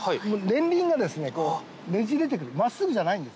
年輪がねじれてく真っすぐじゃないんですよ。